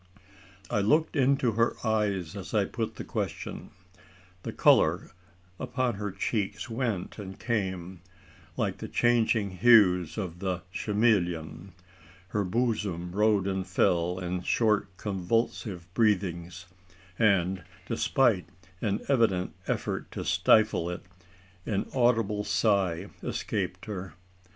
I looked into her eyes as I put the question. The colour upon her cheeks went and came, like the changing hues of the chameleon. Her bosom rose and fell in short convulsive breathings; and, despite an evident effort to stifle it, an audible sigh escaped her.